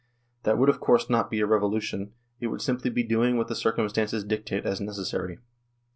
That would of course not be a revolution ; it would simply be doing what the circumstances dictate as necessary.